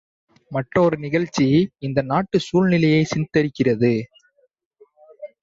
மற்றொரு நிகழ்ச்சி இந்த நாட்டுச் சூழ்நிலையைச் சித்திரிப்பது.